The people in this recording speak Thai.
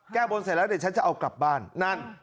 แก้บนเสร็จแล้วเดี๋ยวฉันจะเอากลับบ้านนั่น